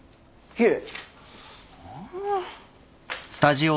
いえ。